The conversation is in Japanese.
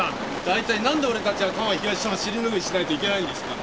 大体なんで俺たちが多摩東署の尻拭いしないといけないんですか。